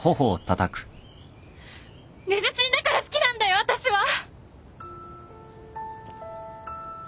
根津ちんだから好きなんだよわたしは。